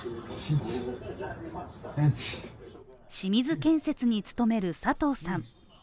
清水建設に勤める佐藤さん。